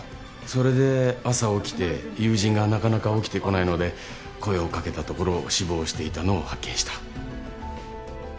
それで朝起きて友人がなかなか起きてこないので声を掛けたところ死亡していたのを発見した。